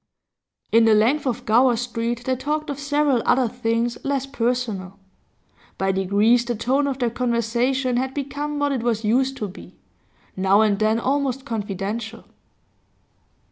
In the length of Gower Street they talked of several other things less personal. By degrees the tone of their conversation had become what it was used to be, now and then almost confidential.